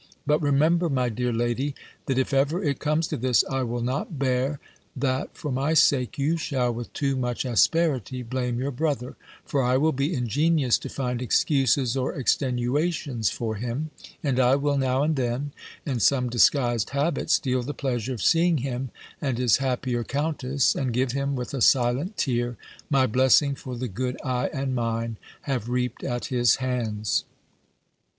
But remember, my dear lady, that if ever it comes to this, I will not bear, that, for my sake, you shall, with too much asperity, blame your brother; for I will be ingenious to find excuses or extenuations for him; and I will now and then, in some disguised habit, steal the pleasure of seeing him and his happier Countess; and give him, with a silent tear, my blessing for the good I and mine have reaped at his hands.